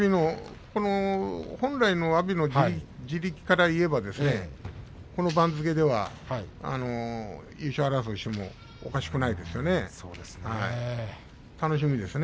本来の阿炎の地力からいえばこの番付では優勝争いしてもおかしくないですよね。